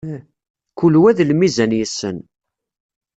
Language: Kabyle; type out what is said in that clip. Kul wa d lmizan yessen.